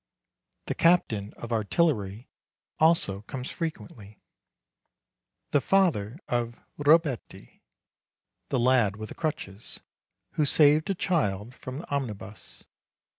The captain of artillery also comes frequently, the father of Robetti, the lad with the crutches, who saved a child from the omnibus.